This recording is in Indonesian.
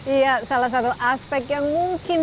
iya salah satu aspek yang mungkin